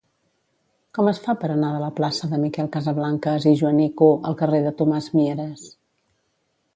Com es fa per anar de la plaça de Miquel Casablancas i Joanico al carrer de Tomàs Mieres?